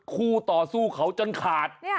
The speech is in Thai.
คู่ต่อสู้เขาจนขาด